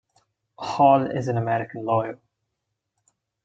Hall is an American lawyer.